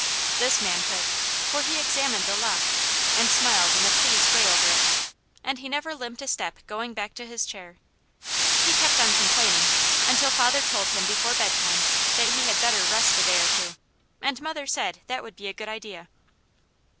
This man could, for he examined the lock and smiled in a pleased way over it, and he never limped a step going back to his chair. He kept on complaining, until father told him before bedtime that he had better rest a day or two, and mother said that would be a good idea.